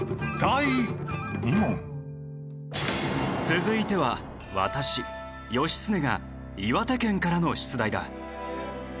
続いては私義経が岩手県からの出題だ。